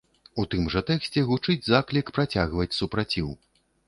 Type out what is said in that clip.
У тым жа тэксце гучыць заклік працягваць супраціў.